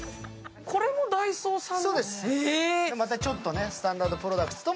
これもダイソーさんの？